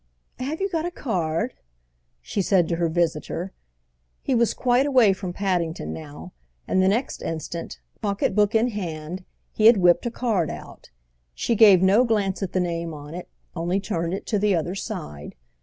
"Have you got a card?" she said to her visitor. He was quite away from Paddington now, and the next instant, pocket book in hand, he had whipped a card out. She gave no glance at the name on it—only turned it to the other side.